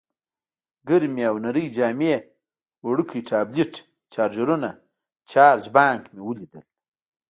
ګرمې او نرۍ جامې، وړوکی ټابلیټ، چارجرونه، چارج بانک مې ولیدل.